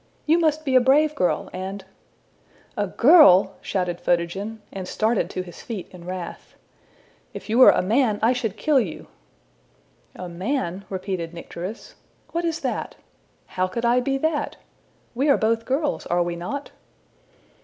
You must be a brave girl, and '' ``A girl!'' shouted Photogen, and started to his feet in wrath. ``If you were a man, I should kill you.'' ``A man?'' repeated Nycteris. ``What is that? How could I be that? We are both girls are we not?''